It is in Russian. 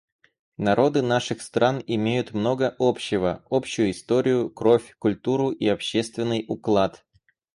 Народы наших стран имеют много общего: общую историю, кровь, культуру и общественный уклад.